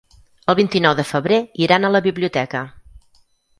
El vint-i-nou de febrer iran a la biblioteca.